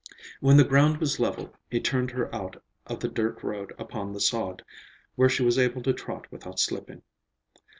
When the ground was level, he turned her out of the dirt road upon the sod, where she was able to trot without slipping.